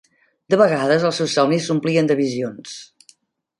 De vegades els seus somnis s'omplien de visions.